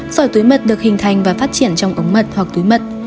sỏi túi mật được hình thành và phát triển trong ống mật hoặc túi mật